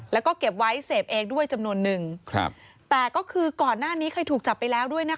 แล้วก็เก็บไว้เสพเองด้วยจำนวนนึงครับแต่ก็คือก่อนหน้านี้เคยถูกจับไปแล้วด้วยนะคะ